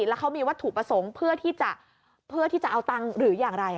แล้วเขามีวัตถุประสงค์เพื่อที่จะเอาตังค์หรืออย่างไร